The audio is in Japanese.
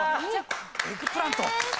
エッグプラント。